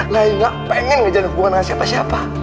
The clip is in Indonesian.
lagi gak pengen ngejalanin hubungan sama siapa siapa